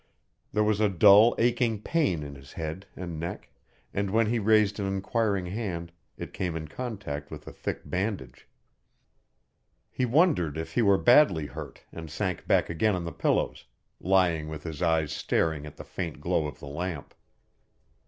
There was a dull, aching pain in his head and neck and when he raised an inquiring hand it came in contact with a thick bandage. He wondered if he were badly hurt and sank back again on the pillows, lying with his eyes staring at the faint glow of the lamp.